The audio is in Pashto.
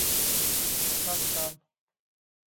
سږ کال